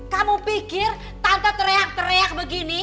kamu pikir tanpa teriak teriak begini